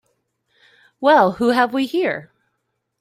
Well who have we here?